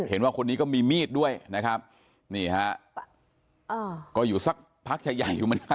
เห็นว่าคนนี้ก็มีมีดด้วยนะครับนี่ฮะอ่าก็อยู่สักพักใหญ่ใหญ่อยู่เหมือนกัน